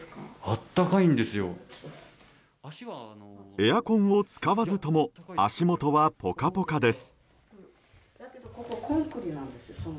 エアコンを使わずとも足元はポカポカです。